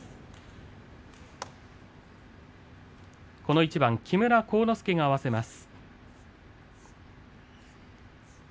この一番は木村晃之助が合わせます。